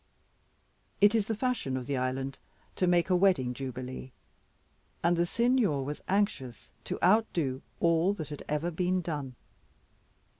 It is the fashion of the island to make a wedding jubilee; and the Signor was anxious to outdo all that had ever been done.